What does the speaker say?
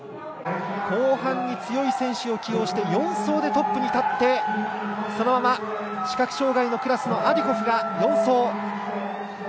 後半に強い選手を起用して４走でトップに立ってそのまま視覚障がいのクラスのアディコフが４走。